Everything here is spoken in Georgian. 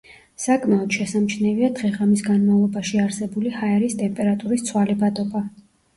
საკმაოდ შესამჩნევია დღე-ღამის განმავლობაში არსებული ჰაერის ტემპერატურის ცვალებადობა.